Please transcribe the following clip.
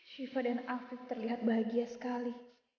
syifa dan afiq terlihat bahagia sekali